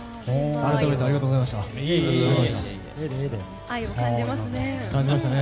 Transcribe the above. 改めてありがとうございました。